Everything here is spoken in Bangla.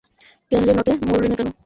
কেন রে নটে মুড়োলিনে কেন।